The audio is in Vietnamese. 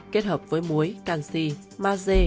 kết hợp với muối canxi maze